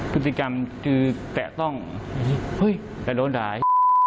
พฤติกรรมคือแตะต้องเฮ้ยแต่โดนหาย